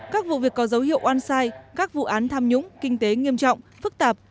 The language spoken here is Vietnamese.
các vụ việc có dấu hiệu on site các vụ án tham nhũng kinh tế nghiêm trọng phức tạp